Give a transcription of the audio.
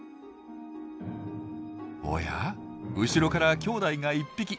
おや後ろからきょうだいが１匹。